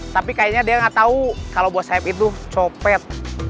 tapi kayaknya dia enggak tahu kalau bos saya itu copet